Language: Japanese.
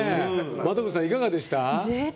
真飛さん、いかがでした？